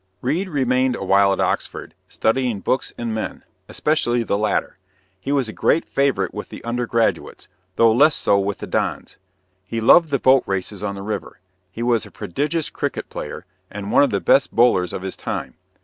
Reade remained a while at Oxford, studying books and men especially the latter. He was a great favorite with the undergraduates, though less so with the dons. He loved the boat races on the river; he was a prodigious cricket player, and one of the best bowlers of his time.